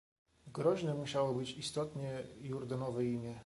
"Groźne musiało być istotnie Jurandowe imię."